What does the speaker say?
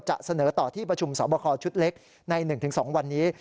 เสนอต่อที่ประชุมสอบคอชุดเล็กใน๑๒วันนี้